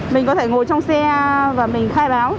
mình có thể ngồi trong xe và mình khai báo